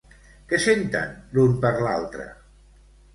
Què senten l'un per l'altre?